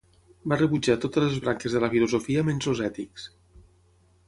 Va rebutjar totes les branques de la filosofia menys els ètics.